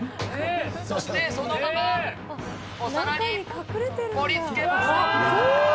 そしてそのまま、お皿に盛りつけました。